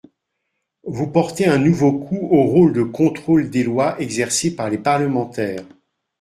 Vous portez un nouveau coup au rôle de contrôle des lois exercé par les parlementaires.